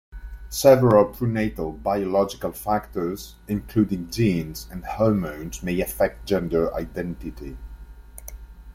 Several prenatal, biological factors, including genes and hormones, may affect gender identity.